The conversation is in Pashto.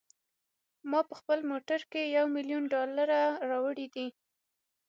ما په خپل موټر کې یو میلیون ډالره راوړي دي.